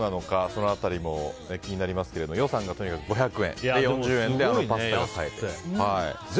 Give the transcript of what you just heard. その辺りも気になりますけど予算がとにかく５００円で４０円であのパスタをと。